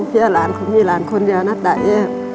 พี่อะหลานคงมีหลานคนเดียวนะตาเอฟ